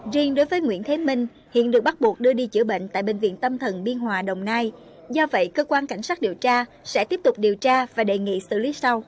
riêng đối với nguyễn thế minh hiện được bắt buộc đưa đi chữa bệnh tại bệnh viện tâm thần biên hòa đồng nai do vậy cơ quan cảnh sát điều tra sẽ tiếp tục điều tra và đề nghị xử lý sau